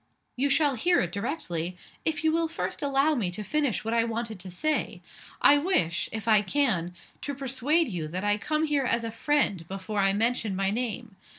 "You shall hear it directly if you will first allow me to finish what I wanted to say. I wish if I can to persuade you that I come here as a friend, before I mention my name.